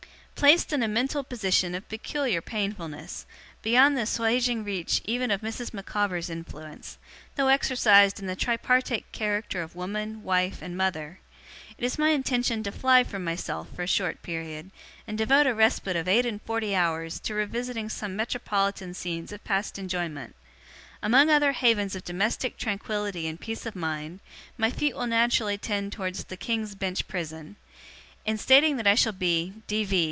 'Placed in a mental position of peculiar painfulness, beyond the assuaging reach even of Mrs. Micawber's influence, though exercised in the tripartite character of woman, wife, and mother, it is my intention to fly from myself for a short period, and devote a respite of eight and forty hours to revisiting some metropolitan scenes of past enjoyment. Among other havens of domestic tranquillity and peace of mind, my feet will naturally tend towards the King's Bench Prison. In stating that I shall be (D. V.)